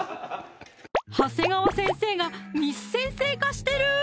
長谷川先生が簾先生化してる！